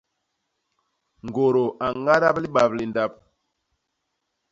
Ñgôrô a ñadap i libap li ndap.